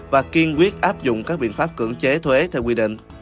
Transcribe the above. và kiên quyết áp dụng các biện pháp cưỡng chế thuế theo quy định